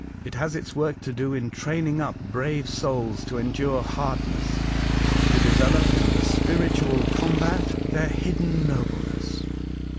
It has its work to do in training up brave souls to endure hardness, to develope in the spiritual combat their hidden nobleness.